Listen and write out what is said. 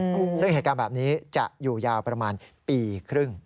อืมซึ่งเหตุการณ์แบบนี้จะอยู่ยาวประมาณปีครึ่ง